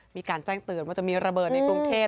มีการแจ้งเตือนว่าจะมีระเบิดในกรุงเทพ